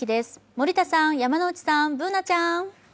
森田さん、山内さん、Ｂｏｏｎａちゃん！